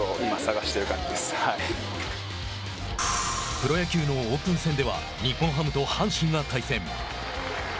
プロ野球のオープン戦では日本ハムと阪神が対戦。